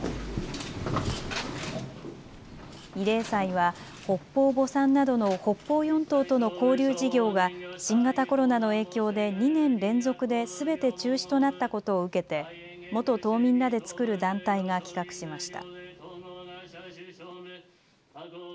慰霊祭は北方墓参などの北方四島との交流事業が新型コロナの影響で２年連続ですべて中止となったことを受けて元島民らで作る団体が企画しました。